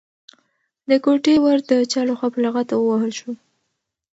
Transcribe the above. د کوټې ور د چا لخوا په لغته ووهل شو؟